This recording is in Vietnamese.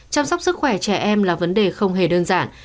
chăm sóc sức khỏe trẻ em là vấn đề không hề đơn giản